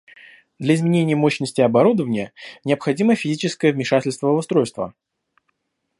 Для изменения мощности оборудования необходимо физическое вмешательство в устройство